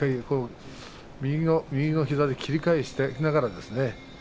右の膝で切り返しながらですね